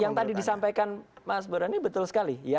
yang tadi disampaikan mas borani betul sekali